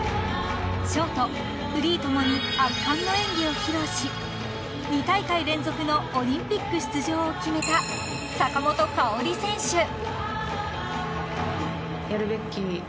［ショートフリー共に圧巻の演技を披露し２大会連続のオリンピック出場を決めた坂本花織選手］